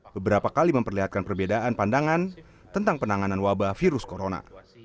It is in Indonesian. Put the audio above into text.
beberapa kali memperlihatkan perbedaan pandangan tentang penanganan wabah virus corona